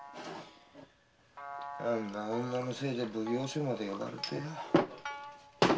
あんな女のせいで奉行所まで呼ばれてよ。